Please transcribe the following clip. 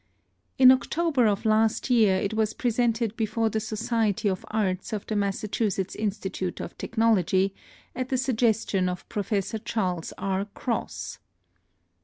In October of last year it was presented before the Society of Arts of the Massachusetts Institute of Technology, at the suggestion of Professor Charles R. Cross.